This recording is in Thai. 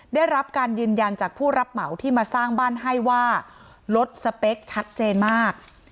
ได้รับการยืนยันจากผู้รับเหมาที่มาสร้างบ้านให้ว่าลดสเปคชัดเจนมาก